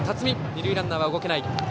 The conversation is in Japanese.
二塁ランナーは動けない。